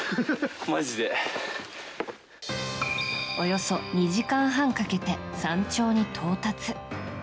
およそ２時間半かけて山頂に到達。